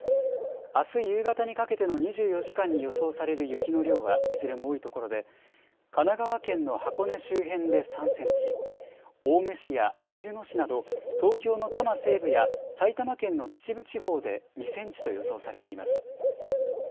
あす夕方にかけての２４時間に予想される雪の量はいずれも多いところで神奈川県の箱根周辺で３センチ、青梅市やあきる野市など東京の多摩西部や埼玉県の秩父地方で２センチと予想されています。